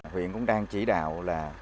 huyện cũng đang chỉ đạo là